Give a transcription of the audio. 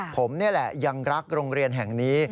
ผมนี่แหละยังรักโรงเรียนแห่งนี้